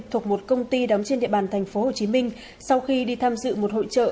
thuộc một công ty đóng trên địa bàn tp hcm sau khi đi tham dự một hội trợ